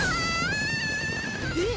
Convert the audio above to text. えっ？